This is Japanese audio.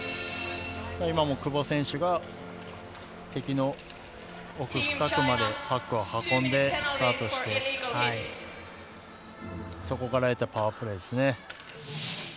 今も久保選手が敵の奥深くまでパックを運んでスタートしてそこから得たパワープレーですね。